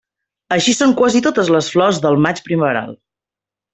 Així són quasi totes les flors del maig primaveral.